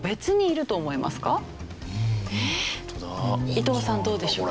伊藤さんどうでしょう？